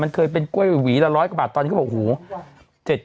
มันเคยเป็นกล้วยหวีละร้อยกว่าบาทตอนนี้เขาบอกโอ้โห